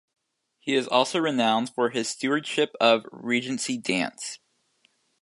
He is also renowned for his stewardship of Regency dance.